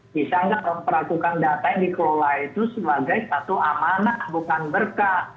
bisa nggak memperlakukan data yang dikelola itu sebagai satu amanah bukan berkah